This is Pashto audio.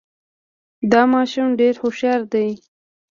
دا ماشوم ډېر هوښیار دی.